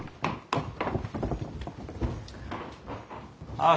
ああ